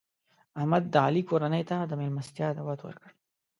احمد د علي کورنۍ ته د مېلمستیا دعوت ورکړ.